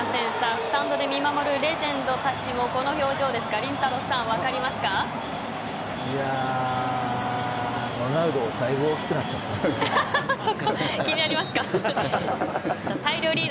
スタンドで見守るレジェンドたちもこの表情ですがりんたろー。